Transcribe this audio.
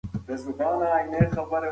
د ناجو ونه په انګړ کې ولاړه وه.